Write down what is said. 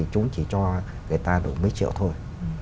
chúng chỉ cho người ta đủ mấy triệu thôi